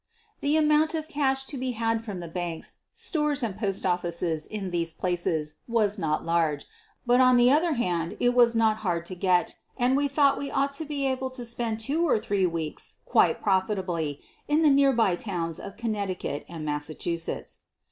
The amount of cash to be had from the banks, stores and postoffices in these places was not large, but, on the other hand, it was not hard to get and we thought we ought to be able to spend two or three weeks quite profitably in the nearby towns of Con necticut and Massachusetts.